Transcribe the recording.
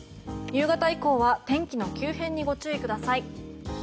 夕方以降は天気の急変にご注意ください。